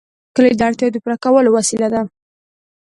کلي د اړتیاوو د پوره کولو وسیله ده.